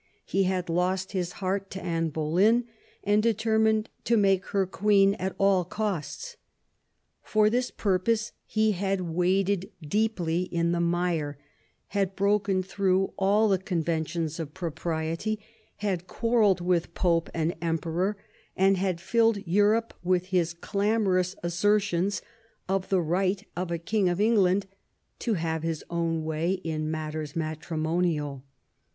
He had lost his heart to Anne Boleyn, and determined to make her Queen at 2 QUEEN ELIZABETH. all costs. For this purpose he had waded deeply in the mire, had broken through all the conventions of propriety, had quarrelled with Pope and Emperor, and had filled Europe with his clamorous assertions of the right of a King of England to have his own way in matters matrimonial.